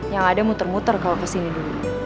yang ada muter muter kalau kesini dulu